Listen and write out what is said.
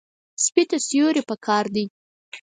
سپي ته سیوري پکار دی.